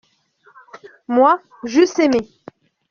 Moi, j’eus aimé.